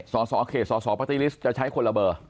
สอสอเขตสอสอปรักติฤทธิ์จะใช้คนละเบอร์